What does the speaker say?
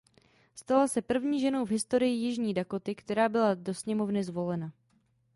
Stala se první ženou v historii Jižní Dakoty která byla do Sněmovny zvolena.